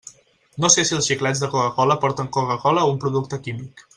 No sé si els xiclets de Coca-cola porten Coca-cola o un producte químic.